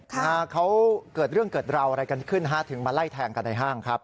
นะฮะเขาเกิดเรื่องเกิดราวอะไรกันขึ้นฮะถึงมาไล่แทงกันในห้างครับ